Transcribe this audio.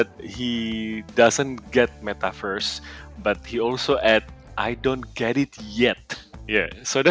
kenapa anda melihat data yang tertinggi di indonesia